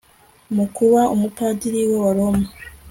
mu kuba umupadiri w'abaroma